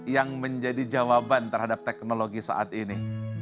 yang menjadi jawaban terhadap teknologi saat ini